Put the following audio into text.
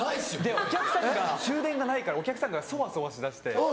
でお客さんが終電がないからお客さんがそわそわしだして。